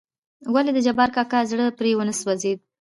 ولې دجبار کاکا زړه پرې ونه سوزېد .